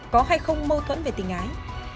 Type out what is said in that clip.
có hay không mâu thuẫn về tình ái